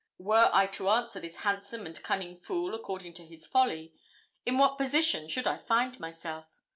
Were I to answer this handsome and cunning fool according to his folly, in what position should I find myself?